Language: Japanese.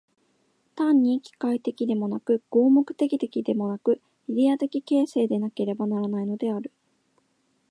単に機械的でもなく、合目的的でもなく、イデヤ的形成でなければならないのである。